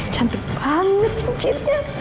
cantik banget cincinnya